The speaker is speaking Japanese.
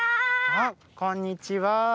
あっこんにちは。